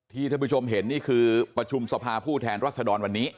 ท่านผู้ชมเห็นนี่คือประชุมสภาผู้แทนรัศดรวันนี้